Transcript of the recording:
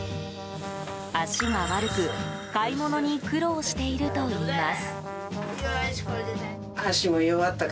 足が悪く、買い物に苦労しているといいます。